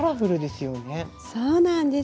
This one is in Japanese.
そうなんです。